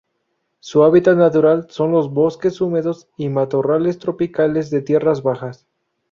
Su hábitat natural son los bosques húmedos y matorrales tropicales de tierras bajas.